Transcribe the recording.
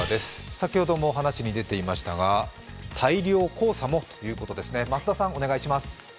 先ほども話に出ていましたが、大量黄砂もということですね。